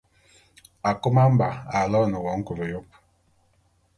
Akôma-Mba aloene wo nkôl yôp.